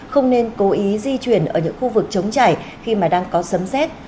không nên cố ý di chuyển ở những khu vực chống chảy khi mà đang có sấm xét